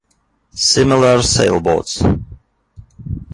Similar sailboats